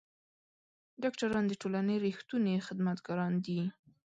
ډاکټران د ټولنې رښتوني خدمتګاران دي.